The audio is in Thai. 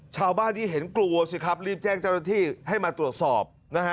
ชาวบ้านนี้เห็นกลัวสิครับ